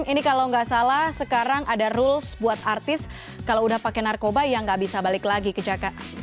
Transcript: ini kalau nggak salah sekarang ada rules buat artis kalau udah pakai narkoba ya nggak bisa balik lagi ke jakarta